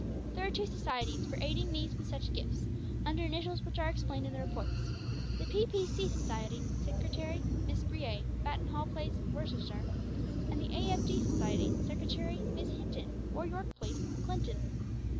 There are two Societies for aiding these with such gifts, under initials which are explained in the Reports; the P.P.C. Society Secretary, Miss Breay, Battenhall Place, Worcester; and the A.F.D. Society Secretary, Miss Hinton, 4 York Place, Clifton.